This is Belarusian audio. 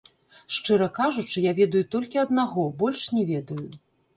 Шчыра кажучы, я ведаю толькі аднаго, больш не ведаю.